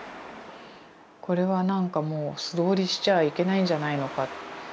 これはなんかもう素通りしちゃいけないんじゃないのか。